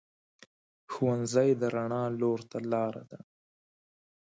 ښوونځی د رڼا لور ته لار ده